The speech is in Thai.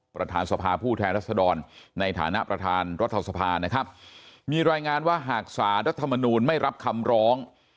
ประธานสภาผู้แทนรัศดรในฐานะประธานรัฐสภานะครับมีรายงานว่าหากสารรัฐมนูลไม่รับคำร้อง